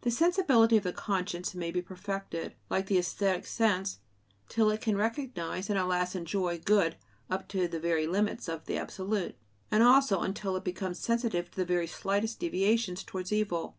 The sensibility of the conscience may be perfected, like the æsthetic sense, till it can recognize and at last enjoy "good," up to the very limits of the absolute, and also until it becomes sensitive to the very slightest deviations towards evil.